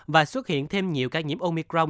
và xuất hiện thêm nhiều ca nhiễm omicron